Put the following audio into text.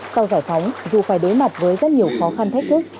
sau giải phóng dù phải đối mặt với rất nhiều khó khăn thách thức